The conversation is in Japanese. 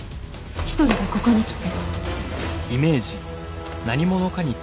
一人でここに来て。